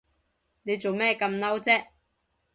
你做咩咁嬲啫？